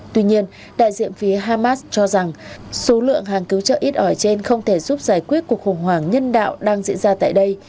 tuy nhiên đại diện phía hamas cho rằng số lượng hàng cứu trợ ít ở trên không thể giúp giải quyết cuộc khủng hoảng nhân đạo đang diễn ra tại đây